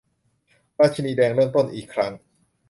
ราชินีแดงเริ่มต้นอีกครั้ง